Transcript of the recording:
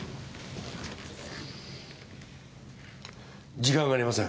時間がありません。